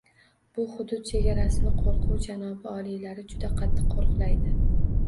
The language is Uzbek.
Bu hudud chegarasini qo’rquv janobi oliylari juda qattiq qo’riqlaydi